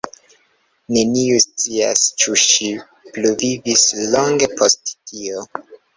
Neniu scias ĉu ŝi pluvivis longe post tio.